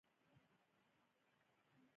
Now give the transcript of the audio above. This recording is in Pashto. ما خپل بکس خلاص کړ او ډوډۍ مې راواخیسته